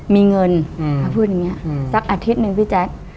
มีเงินพูดอย่างเงี้ยสักอาทิตย์นึงพี่แจ๊ค